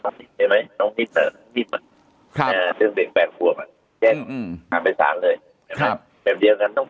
ครับ